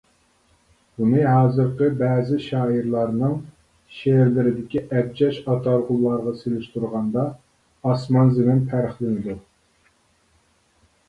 بۇنى ھازىرقى بەزى شائىرلارنىڭ شېئىرلىرىدىكى ئەبجەش ئاتالغۇلارغا سېلىشتۇرغاندا ئاسمان-زېمىن پەرقلىنىدۇ.